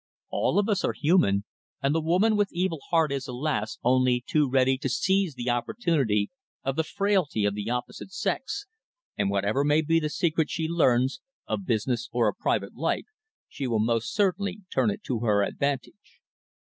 All of us are human, and the woman with evil heart is, alas! only too ready to seize the opportunity of the frailty of the opposite sex, and whatever may be the secret she learns, of business or of private life, she will most certainly turn it to her advantage.